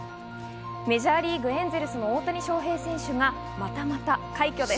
メジャーリーグ・エンゼルスの大谷翔平選手がまたまた快挙です。